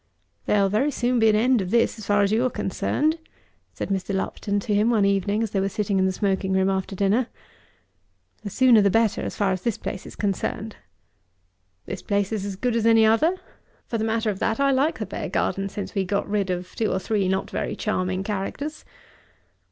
"There'll very soon be an end of this as far as you are concerned," said Mr. Lupton to him one evening as they were sitting in the smoking room after dinner. "The sooner the better as far as this place is concerned." "This place is as good as any other. For the matter of that I like the Beargarden since we got rid of two or three not very charming characters."